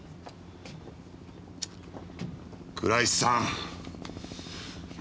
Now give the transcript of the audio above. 倉石さん！